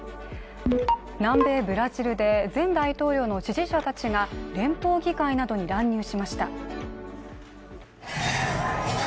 南米ブラジルで前大統領の支持者たちが連邦議会などに乱入しました。